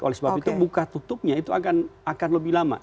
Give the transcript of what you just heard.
oleh sebab itu buka tutupnya itu akan lebih lama